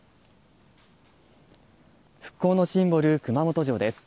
復興のシンボル、熊本城です。